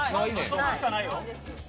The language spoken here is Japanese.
「そこ」しかないよ。